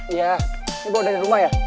iya ini gue udah dari rumah ya